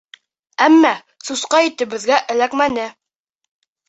Әммә сусҡа ите беҙгә эләкмәне.